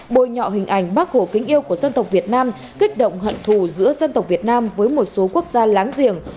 bôi nhọ hình ảnh bác hồ kính yêu của dân tộc việt nam kích động hận thù giữa dân tộc việt nam với một số quốc gia láng giềng